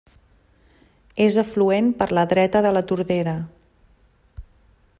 És afluent per la dreta de la Tordera.